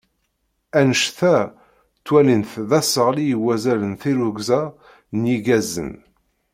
Anect-a ttwalin-t d aseɣli i wazal n tirrugza n yigazen.